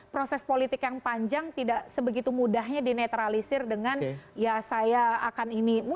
proses politik yang panjang tidak sebegitu mudahnya dinetralisir dengan ya saya akan ini